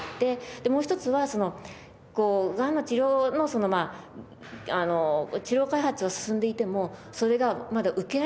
でもう一つはがんの治療の治療開発が進んでいてもそれがまだ受けられない。